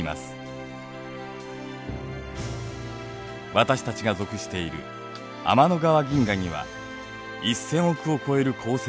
私たちが属している天の川銀河には１，０００億を超える恒星があります。